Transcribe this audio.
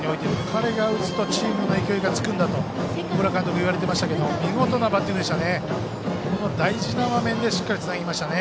彼が打つとチームの勢いがつくんだと小倉監督は言われてましたけど見事なバッティングでしたね。